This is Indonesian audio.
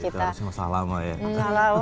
itu harus masalah mah ya